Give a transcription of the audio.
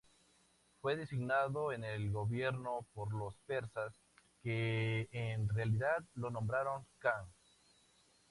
Fue designado en el gobierno por los persas, que en realidad, lo nombraron khan.